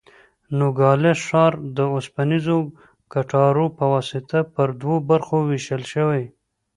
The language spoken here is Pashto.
نوګالس ښار د اوسپنیزو کټارو په واسطه پر دوو برخو وېشل شوی.